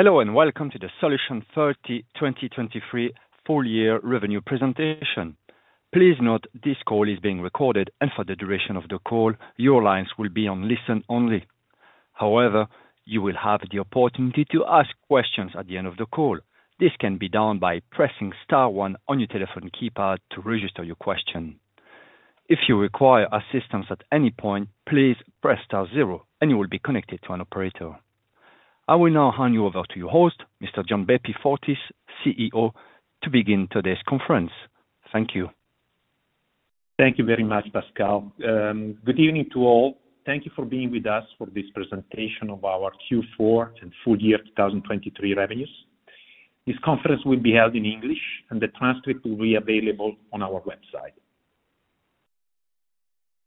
Hello, and welcome to the Solutions 30 2023 Full Year Revenue Presentation. Please note this call is being recorded, and for the duration of the call, your lines will be on listen only. However, you will have the opportunity to ask questions at the end of the call. This can be done by pressing star one on your telephone keypad to register your question. If you require assistance at any point, please press star zero, and you will be connected to an operator. I will now hand you over to your host, Mr. Gianbeppi Fortis, CEO, to begin today's conference. Thank you. Thank you very much, Pascal. Good evening to all. Thank you for being with us for this presentation of our Q4 and Full Year 2023 Revenues. This conference will be held in English, and the transcript will be available on our website.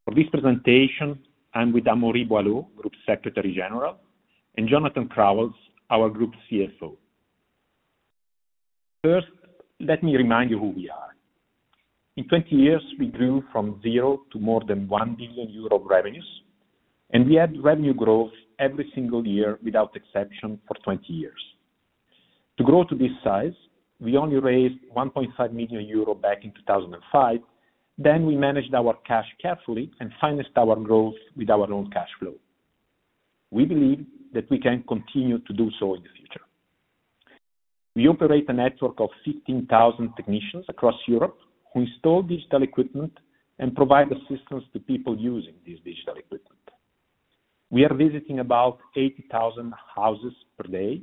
For this presentation, I'm with Amaury Boilot, Group Secretary General, and Jonathan Crauwels, our Group CFO. First, let me remind you who we are. In 20 years, we grew from zero to more than 1 billion euro of revenues, and we had revenue growth every single year without exception for 20 years. To grow to this size, we only raised 1.5 million euro back in 2005. Then we managed our cash carefully and financed our growth with our own cash flow. We believe that we can continue to do so in the future. We operate a network of 15,000 technicians across Europe who install digital equipment and provide assistance to people using this digital equipment. We are visiting about 80,000 houses per day,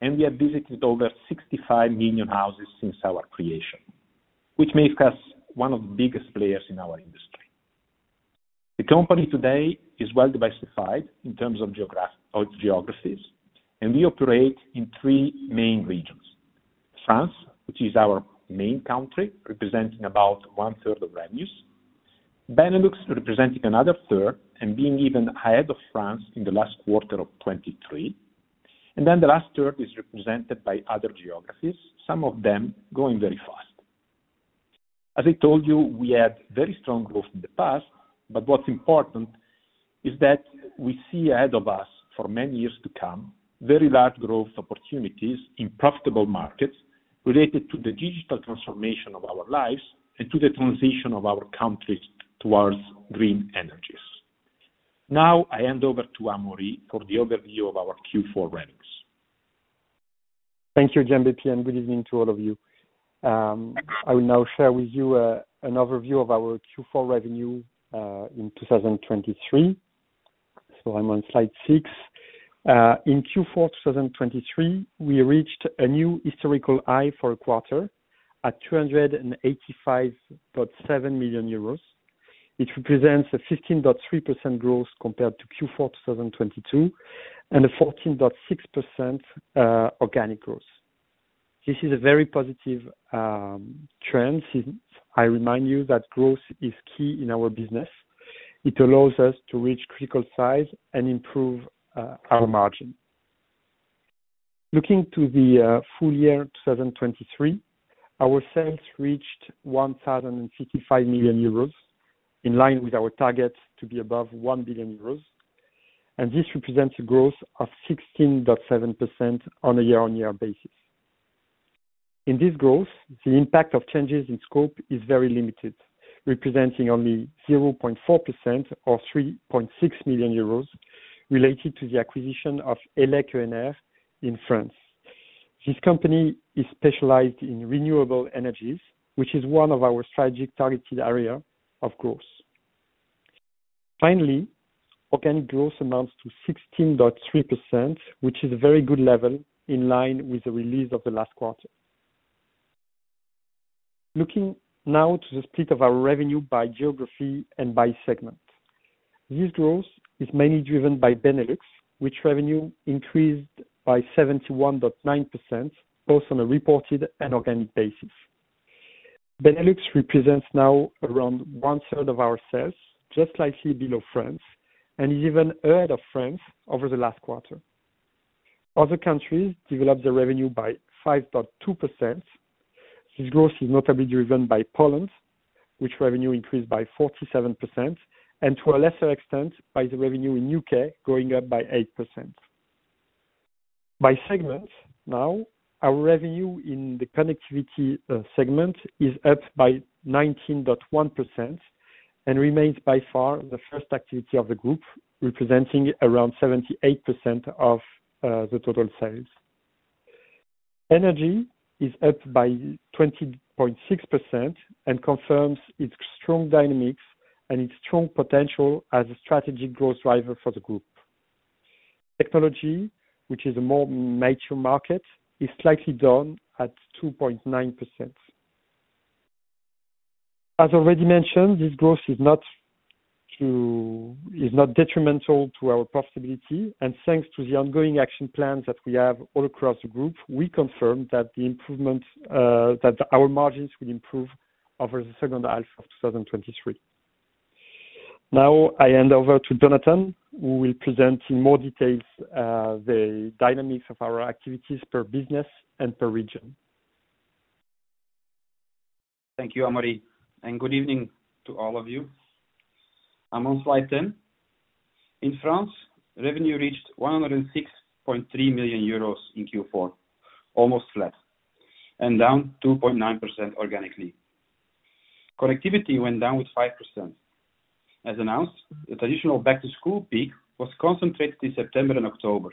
and we have visited over 65 million houses since our creation, which makes us one of the biggest players in our industry. The company today is well diversified in terms of geographies, and we operate in three main regions. France, which is our main country, representing about one third of revenues. Benelux, representing another third and being even ahead of France in the last quarter of 2023. And then the last third is represented by other geographies, some of them growing very fast. As I told you, we had very strong growth in the past, but what's important is that we see ahead of us for many years to come, very large growth opportunities in profitable markets related to the digital transformation of our lives and to the transition of our countries towards green energies. Now, I hand over to Amaury for the overview of our Q4 rankings. Thank you, Gianbeppi, and good evening to all of you. I will now share with you an overview of our Q4 revenue in 2023. I'm on slide 6. In Q4 2023, we reached a new historical high for a quarter at 285.7 million euros. It represents a 15.3% growth compared to Q4 2022 and a 14.6% organic growth. This is a very positive trend. I remind you that growth is key in our business. It allows us to reach critical size and improve our margin. Looking to the full year 2023, our sales reached 1,055 million euros, in line with our target to be above 1 billion euros. This represents a growth of 16.7% on a year-on-year basis. In this growth, the impact of changes in scope is very limited, representing only 0.4% or 3.6 million euros related to the acquisition of Elecnor in France. This company is specialized in renewable energies, which is one of our strategic targeted area of growth. Finally, organic growth amounts to 16.3%, which is a very good level in line with the release of the last quarter. Looking now to the split of our revenue by geography and by segment. This growth is mainly driven by Benelux, which revenue increased by 71.9%, both on a reported and organic basis. Benelux represents now around one third of our sales, just slightly below France, and is even ahead of France over the last quarter. Other countries developed their revenue by 5.2%. This growth is notably driven by Poland, which revenue increased by 47%, and to a lesser extent, by the revenue in UK, going up by 8%. By segment, now, our revenue in the connectivity segment is up by 19.1% and remains by far the first activity of the group, representing around 78% of the total sales. Energy is up by 20.6% and confirms its strong dynamics and its strong potential as a strategic growth driver for the group. Technology, which is a more mature market, is slightly down at 2.9%. As already mentioned, this growth is not detrimental to our profitability, and thanks to the ongoing action plans that we have all across the group, we confirm that the improvements that our margins will improve over the second half of 2023. Now, I hand over to Jonathan, who will present in more details the dynamics of our activities per business and per region. Thank you, Amaury, and good evening to all of you. I'm on slide 10. In France, revenue reached 106.3 million euros in Q4, almost flat, and down 2.9% organically. Connectivity went down with 5%. As announced, the traditional back-to-school peak was concentrated in September and October,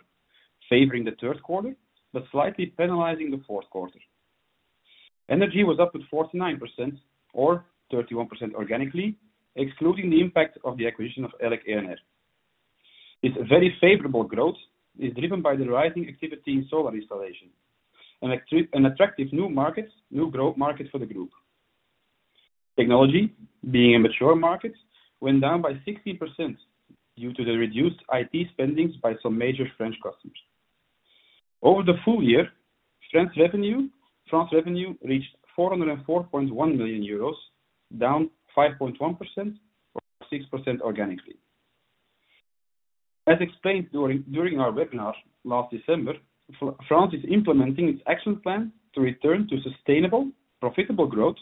favoring the third quarter, but slightly penalizing the fourth quarter. Energy was up with 49% or 31% organically, excluding the impact of the acquisition of Elec'EnR. It's a very favorable growth, is driven by the rising activity in solar installation, an attractive new market, new growth market for the group. Technology, being a mature market, went down by 16% due to the reduced IT spending by some major French customers. Over the full year, France revenue, France revenue reached 404.1 million euros, down 5.1% or 6% organically. As explained during our webinar last December, France is implementing its action plan to return to sustainable, profitable growth.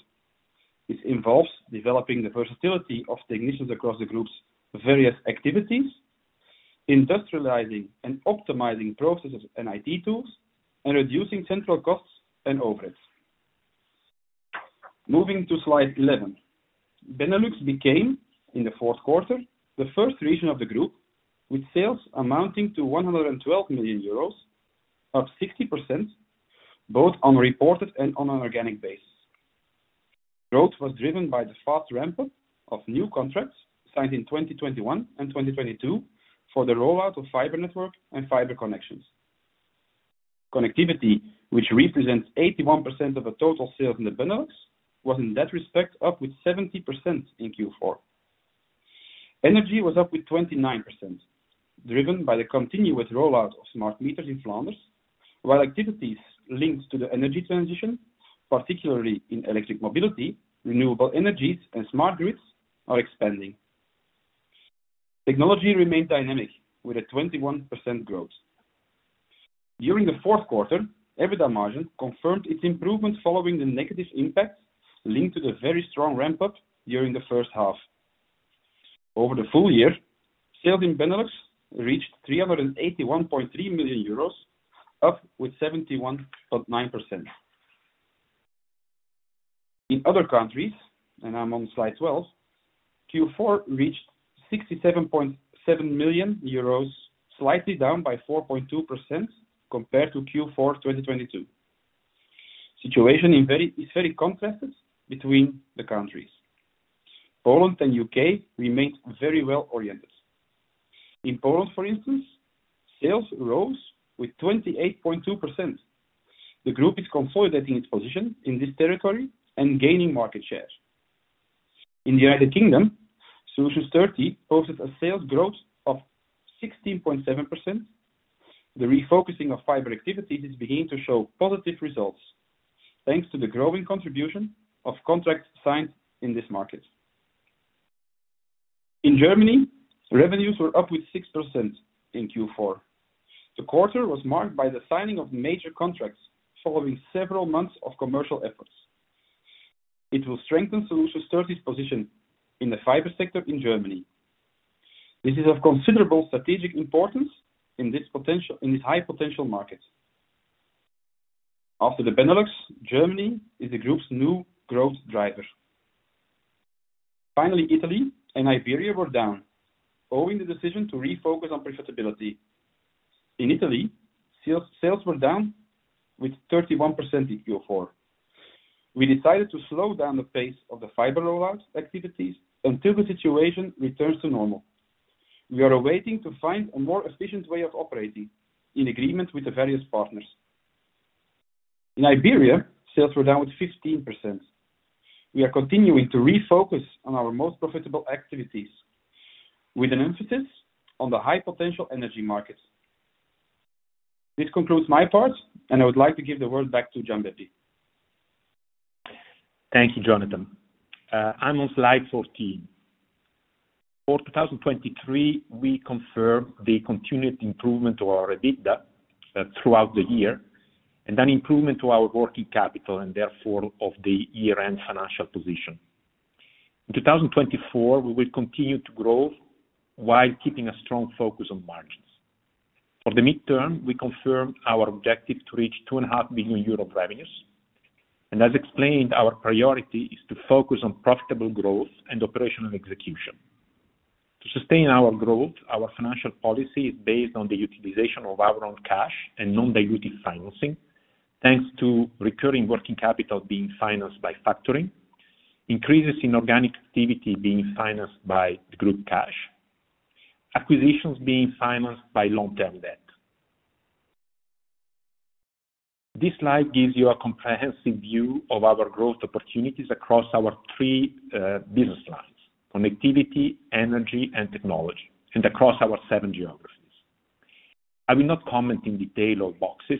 This involves developing the versatility of technicians across the group's various activities, industrializing and optimizing processes and IT tools, and reducing central costs and overheads. Moving to slide 11. Benelux became, in the fourth quarter, the first region of the group, with sales amounting to 112 million euros, up 60%, both on reported and on an organic basis. Growth was driven by the fast ramp-up of new contracts signed in 2021 and 2022 for the rollout of fiber network and fiber connections. Connectivity, which represents 81% of the total sales in the Benelux, was in that respect up 70% in Q4. Energy was up 29%, driven by the continuous rollout of smart meters in Flanders, while activities linked to the energy transition, particularly in electric mobility, renewable energies, and smart grids, are expanding. Technology remained dynamic, with a 21% growth. During the fourth quarter, EBITDA margin confirmed its improvement, following the negative impact linked to the very strong ramp-up during the first half. Over the full year, sales in Benelux reached 381.3 million euros, up 71.9%. In other countries, and I'm on slide 12, Q4 reached 67.7 million euros, slightly down by 4.2% compared to Q4 2022. The situation is very contrasted between the countries. Poland and U.K. remain very well-oriented. In Poland, for instance, sales rose with 28.2%. The group is consolidating its position in this territory and gaining market share. In the United Kingdom, Solutions 30 posted a sales growth of 16.7%. The refocusing of fiber activities is beginning to show positive results, thanks to the growing contribution of contracts signed in this market. In Germany, revenues were up with 6% in Q4. The quarter was marked by the signing of major contracts following several months of commercial efforts. It will strengthen Solutions 30's position in the fiber sector in Germany. This is of considerable strategic importance in this potential, in this high potential market. After the Benelux, Germany is the group's new growth driver. Finally, Italy and Iberia were down, owing to the decision to refocus on profitability. In Italy, sales were down 31% in Q4. We decided to slow down the pace of the fiber rollout activities until the situation returns to normal. We are waiting to find a more efficient way of operating in agreement with the various partners. In Iberia, sales were down 15%. We are continuing to refocus on our most profitable activities, with an emphasis on the high potential energy markets. This concludes my part, and I would like to give the word back to Gianbeppi. Thank you, Jonathan. I'm on slide 14. For 2023, we confirm the continued improvement to our EBITDA, throughout the year, and an improvement to our working capital, and therefore, of the year-end financial position. In 2024, we will continue to grow while keeping a strong focus on margins. For the midterm, we confirm our objective to reach 2.5 billion euro revenues, and as explained, our priority is to focus on profitable growth and operational execution. To sustain our growth, our financial policy is based on the utilization of our own cash and non-dilutive financing, thanks to recurring working capital being financed by factoring, increases in organic activity being financed by the group cash. Acquisitions being financed by long-term debt. This slide gives you a comprehensive view of our growth opportunities across our 3 business lines: connectivity, energy, and technology, and across our 7 geographies. I will not comment in detail on boxes,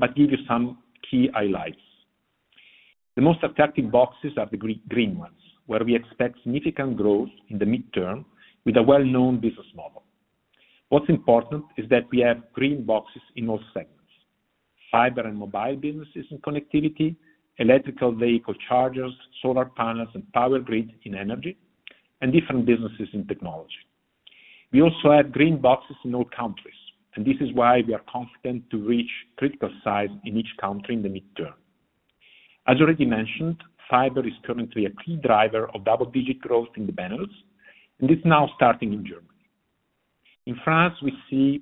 but give you some key highlights. The most attractive boxes are the green ones, where we expect significant growth in the midterm with a well-known business model. What's important is that we have green boxes in all segments. Fiber and mobile businesses in connectivity, electric vehicle chargers, solar panels, and power grid in energy, and different businesses in technology. We also have green boxes in all countries, and this is why we are confident to reach critical size in each country in the midterm. As already mentioned, fiber is currently a key driver of double-digit growth in the Benelux, and it's now starting in Germany. In France, we see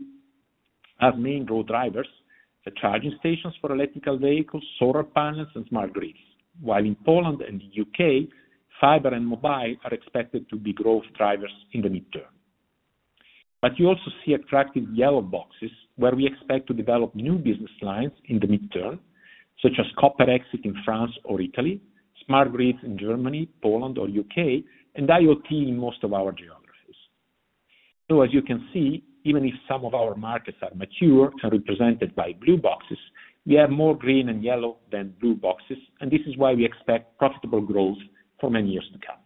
as main growth drivers, the charging stations for electrical vehicles, solar panels, and smart grids. While in Poland and the U.K., fiber and mobile are expected to be growth drivers in the midterm. But you also see attractive yellow boxes, where we expect to develop new business lines in the midterm, such as copper exit in France or Italy, smart grids in Germany, Poland, or U.K., and IoT in most of our geographies. So as you can see, even if some of our markets are mature and represented by blue boxes, we have more green and yellow than blue boxes, and this is why we expect profitable growth for many years to come.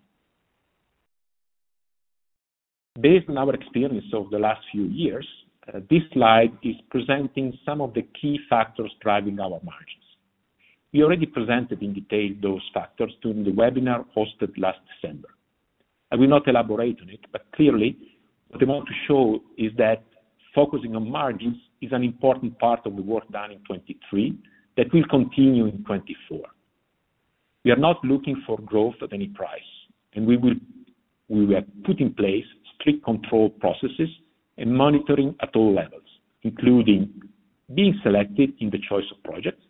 Based on our experience over the last few years, this slide is presenting some of the key factors driving our margins. We already presented in detail those factors during the webinar hosted last December. I will not elaborate on it, but clearly, what I want to show is that focusing on margins is an important part of the work done in 2023, that will continue in 2024. We are not looking for growth at any price, and we will-- we will put in place strict control processes and monitoring at all levels, including being selected in the choice of projects,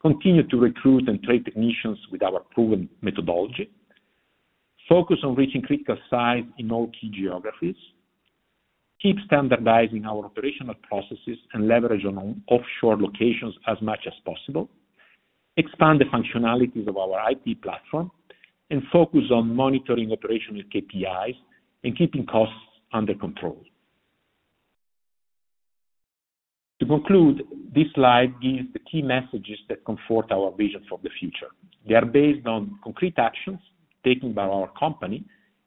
continue to recruit and train technicians with our proven methodology, focus on reaching critical size in all key geographies, keep standardizing our operational processes and leverage on offshore locations as much as possible, expand the functionalities of our IP platform, and focus on monitoring operational KPIs and keeping costs under control. To conclude, this slide gives the key messages that comfort our vision for the future. They are based on concrete actions taken by our company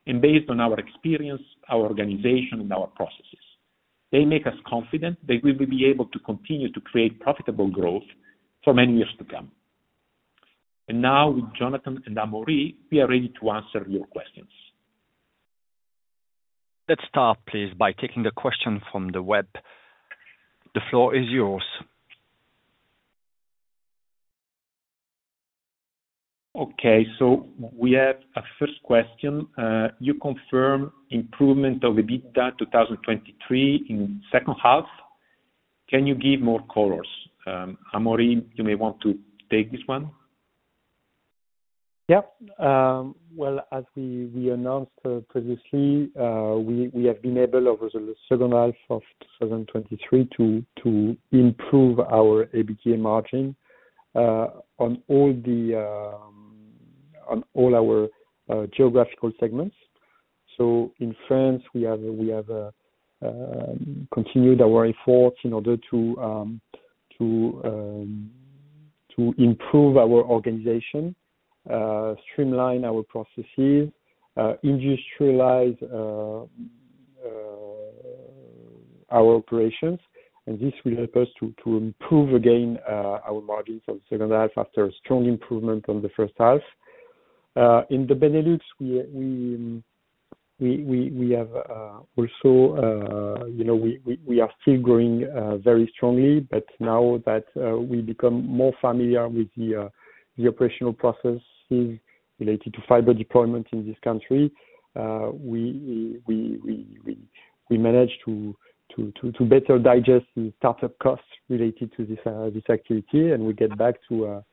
and based on our experience, our organization, and our processes. They make us confident that we will be able to continue to create profitable growth for many years to come. Now, with Jonathan and Amaury, we are ready to answer your questions. Let's start, please, by taking the question from the web. The floor is yours. Okay, we have a first question. You confirm improvement of the EBITDA 2023 in second half. Can you give more colors? Amaury, you may want to take this one. Yeah. Well, as we announced previously, we have been able over the second half of 2023 to improve our EBITDA margin on all our geographical segments. So in France, we have continued our efforts in order to improve our organization, streamline our processes, industrialize our operations, and this will help us to improve again our margins on second half after a strong improvement on the first half. In the Benelux, we have also, you know, we are still growing very strongly, but now that we become more familiar with the operational processes related to fiber deployment in this country, we manage to better digest the startup costs related to this activity, and we get back to a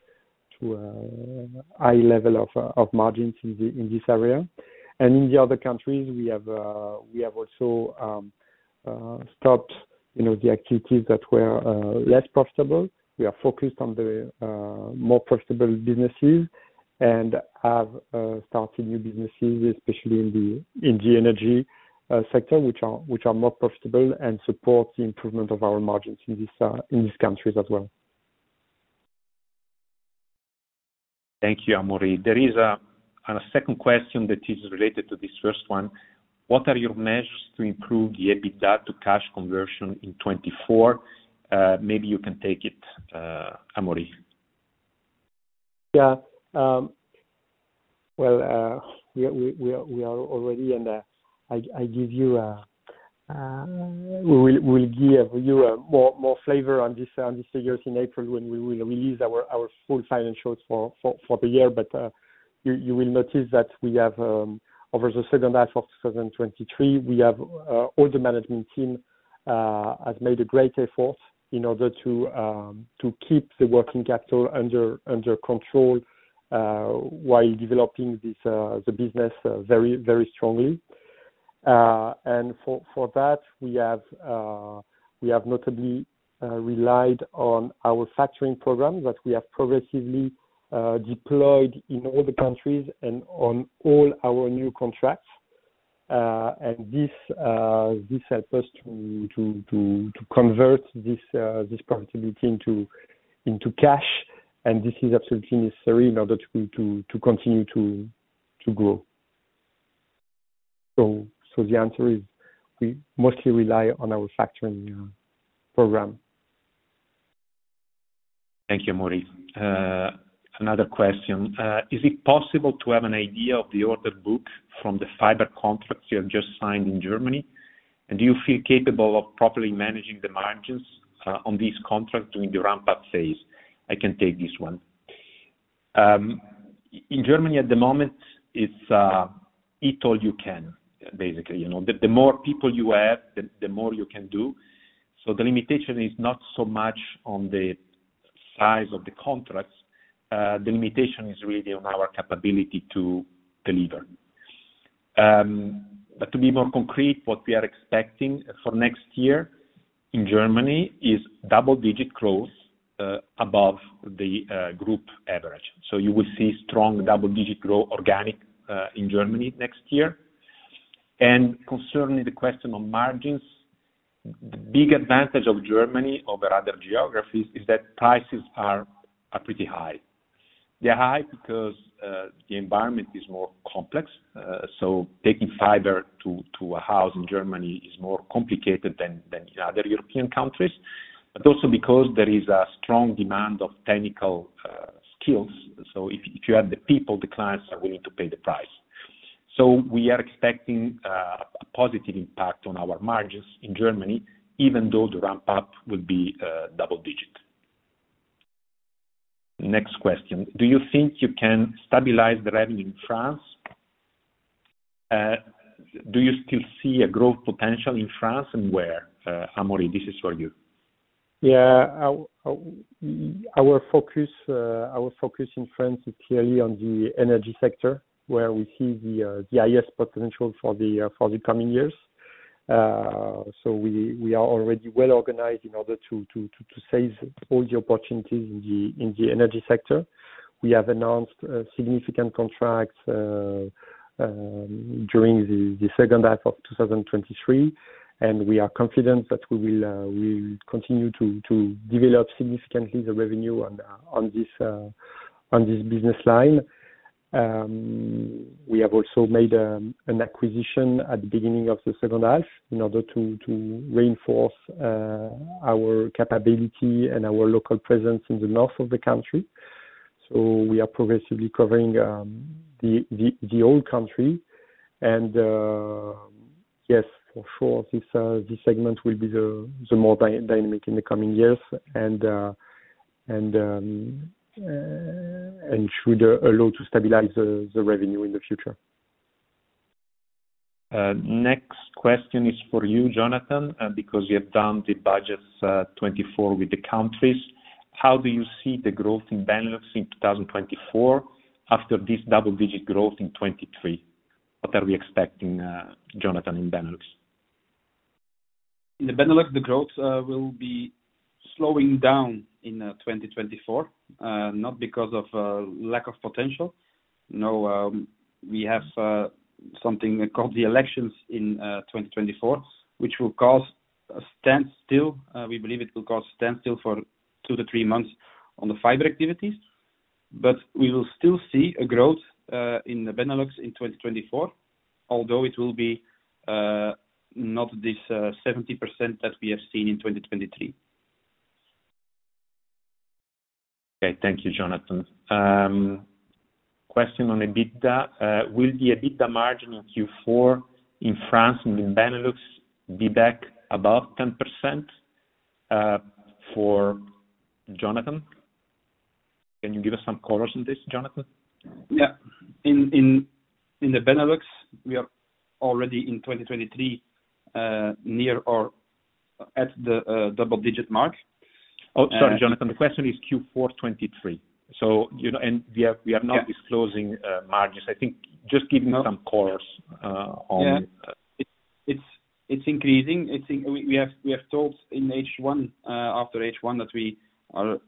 high level of margins in this area. In the other countries, we have also stopped, you know, the activities that were less profitable. We are focused on the more profitable businesses and have started new businesses, especially in the energy sector, which are more profitable and support the improvement of our margins in these countries as well. Thank you, Amaury. There is a second question that is related to this first one: What are your measures to improve the EBITDA to cash conversion in 2024? Maybe you can take it, Amaury. Yeah, well, we are already, and we'll give you more flavor on these figures in April when we will release our full financials for the year. But you will notice that we have, over the second half of 2023, all the management team has made a great effort in order to keep the working capital under control while developing the business very strongly. And for that, we have notably relied on our factoring program that we have progressively deployed in all the countries and on all our new contracts. And this helps us to convert this profitability into cash, and this is absolutely necessary in order to continue to grow. So the answer is, we mostly rely on our factoring program. Thank you, Amaury. Another question. Is it possible to have an idea of the order book from the fiber contracts you have just signed in Germany? And do you feel capable of properly managing the margins on these contracts during the ramp-up phase? I can take this one. In Germany at the moment, it's eat all you can, basically, you know. The more people you have, the more you can do. So the limitation is not so much on the size of the contracts, the limitation is really on our capability to deliver. But to be more concrete, what we are expecting for next year in Germany is double-digit growth above the group average. So you will see strong double-digit growth, organic, in Germany next year. Concerning the question on margins, the big advantage of Germany over other geographies is that prices are, are pretty high. They're high because, the environment is more complex, so taking fiber to, to a house in Germany is more complicated than, than other European countries, but also because there is a strong demand of technical, skills. So if, if you have the people, the clients are willing to pay the price. So we are expecting, a positive impact on our margins in Germany, even though the ramp-up will be, double digit. Next question: Do you think you can stabilize the revenue in France? Do you still see a growth potential in France, and where? Amaury, this is for you. Yeah. Our focus in France is clearly on the energy sector, where we see the highest potential for the coming years. So we are already well organized in order to seize all the opportunities in the energy sector. We have announced significant contracts during the second half of 2023, and we are confident that we will continue to develop significantly the revenue on this business line. We have also made an acquisition at the beginning of the second half in order to reinforce our capability and our local presence in the north of the country. So we are progressively covering the whole country. Yes, for sure, this segment will be the more dynamic in the coming years, and should allow to stabilize the revenue in the future. Next question is for you, Jonathan, because you have done the budgets, 2024 with the countries. How do you see the growth in Benelux in 2024, after this double-digit growth in 2023? What are we expecting, Jonathan, in Benelux? In the Benelux, the growth will be slowing down in 2024, not because of lack of potential. No, we have something called the elections in 2024, which will cause a standstill. We believe it will cause standstill for 2-3 months on the fiber activities. But we will still see a growth in the Benelux in 2024, although it will be not this 70% that we have seen in 2023. Okay, thank you, Jonathan. Question on EBITDA. Will the EBITDA margin in Q4 in France and in Benelux be back above 10%, for Jonathan? Can you give us some colors on this, Jonathan? Yeah. In the Benelux, we are already in 2023, near or at the double-digit mark. Oh, sorry, Jonathan, the question is Q4 2023. So, you know, and we are, we are not- Yeah... disclosing margins. I think just giving some colors on- Yeah. It's increasing. We have talked in H1, after H1, that we are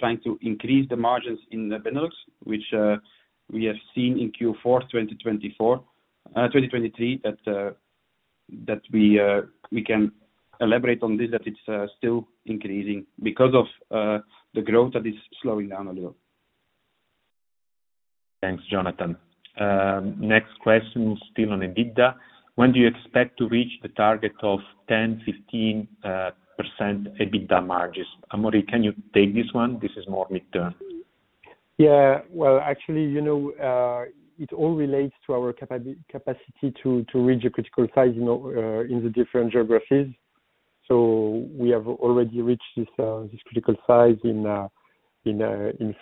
trying to increase the margins in the Benelux, which we have seen in Q4 2024, 2023, that we can elaborate on this, that it's still increasing because of the growth that is slowing down a little. Thanks, Jonathan. Next question, still on EBITDA. When do you expect to reach the target of 10%-15% EBITDA margins? Amaury, can you take this one? This is more mid-term. Yeah, well, actually, you know, it all relates to our capacity to reach a critical size, you know, in the different geographies. So we have already reached this critical size in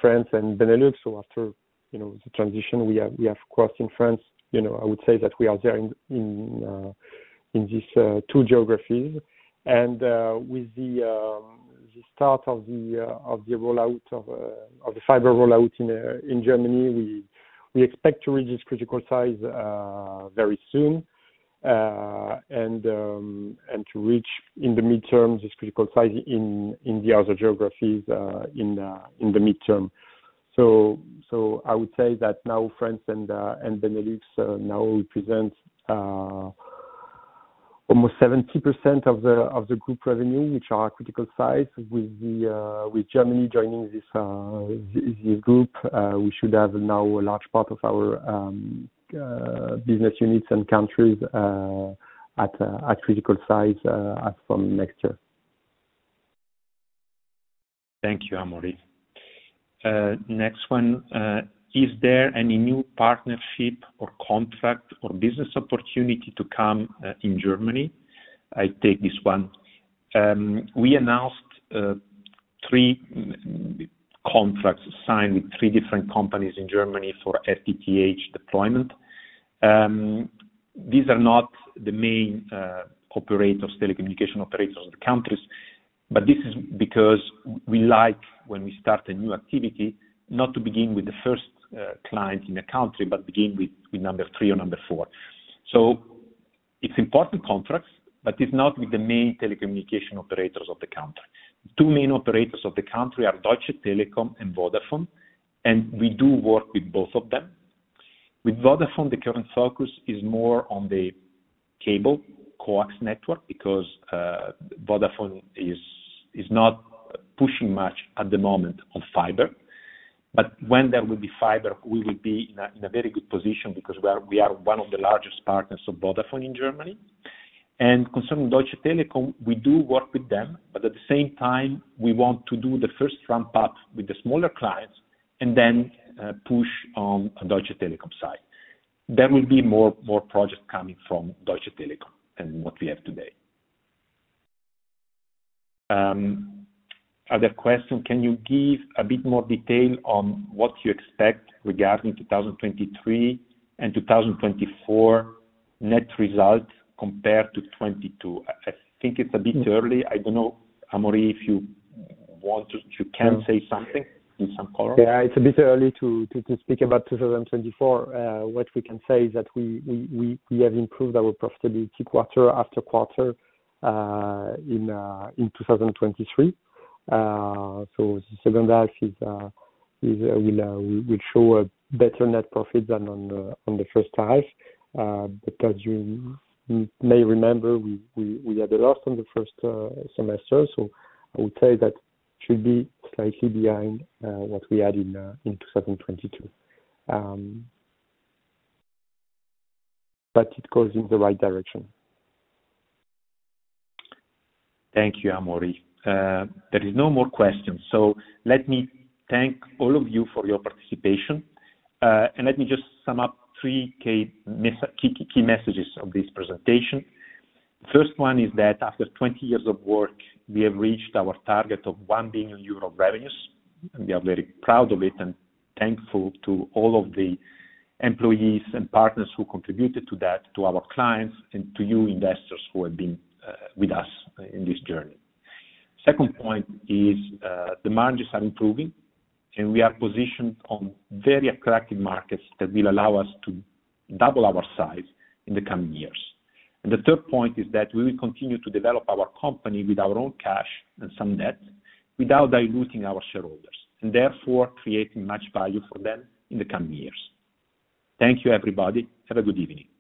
France and Benelux. So after, you know, the transition we have crossed in France, you know, I would say that we are there in this two geographies. And with the start of the rollout of the fiber rollout in Germany, we expect to reach this critical size very soon. And to reach in the mid-term, this critical size in the other geographies in the mid-term. So I would say that now France and Benelux now represent... Almost 70% of the group revenue, which are critical size with Germany joining this group, we should have now a large part of our business units and countries at critical size as from next year. Thank you, Amaury. Next one, is there any new partnership or contract or business opportunity to come, in Germany? I take this one. We announced three contracts signed with three different companies in Germany for FTTH deployment. These are not the main operators, telecommunication operators of the countries, but this is because we like when we start a new activity, not to begin with the first client in the country, but begin with number three or number four. So it's important contracts, but it's not with the main telecommunication operators of the country. Two main operators of the country are Deutsche Telekom and Vodafone, and we do work with both of them. With Vodafone, the current focus is more on the cable coax network because Vodafone is not pushing much at the moment on fiber. But when there will be fiber, we will be in a, in a very good position because we are, we are one of the largest partners of Vodafone in Germany. And concerning Deutsche Telekom, we do work with them, but at the same time, we want to do the first ramp up with the smaller clients and then push on the Deutsche Telekom side. There will be more, more projects coming from Deutsche Telekom than what we have today. Other question, can you give a bit more detail on what you expect regarding 2023 and 2024 net results compared to 2022? I, I think it's a bit early. I don't know, Amaury, if you want to—you can say something in some color. Yeah, it's a bit early to speak about 2024. What we can say is that we have improved our profitability quarter after quarter in 2023. So the second half will show a better net profit than on the first half. Because you may remember, we had a loss on the first semester, so I would say that should be slightly behind what we had in 2022. But it goes in the right direction. Thank you, Amaury. There is no more questions. So let me thank all of you for your participation, and let me just sum up three key messages of this presentation. First one is that after 20 years of work, we have reached our target of 1 billion euro revenues, and we are very proud of it and thankful to all of the employees and partners who contributed to that, to our clients, and to you, investors, who have been with us in this journey. Second point is, the margins are improving, and we are positioned on very attractive markets that will allow us to double our size in the coming years. The third point is that we will continue to develop our company with our own cash and some debt, without diluting our shareholders, and therefore, creating much value for them in the coming years. Thank you, everybody. Have a good evening.